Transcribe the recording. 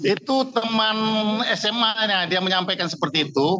itu teman sma nya dia menyampaikan seperti itu